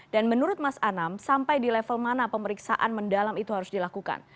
dan menurut mas anam sampai di level mana pemeriksaan mendalam itu harus dilakukan